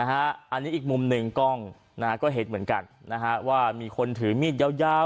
อันนี้อีกมุมหนึ่งกล้องก็เห็นเหมือนกันว่ามีคนถือมีดยาว